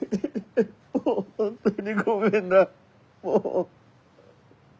もう本当にごめんなもう。